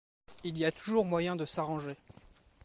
Il y a toujours moyen de s’arranger.